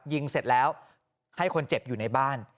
ยิงเสร็จแล้วให้คนเจ็บอยู่ในบ้าน